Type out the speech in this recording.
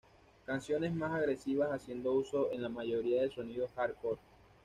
Canciones más agresivas, haciendo uso en la mayoría de sonidos "hardcore".